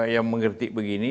yang mengkritik begini